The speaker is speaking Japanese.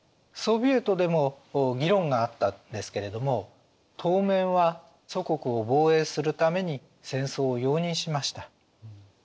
ソヴィエトでも議論があったんですけれども当面は祖国を防衛するために戦争を容認しました。